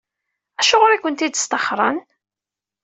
Acuɣer i kent-id-sṭaxren?